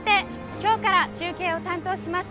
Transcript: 今日から中継を担当します